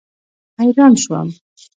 حیران شوم.